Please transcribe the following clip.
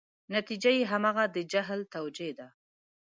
نتیجه یې همغه د جهل توجیه ده.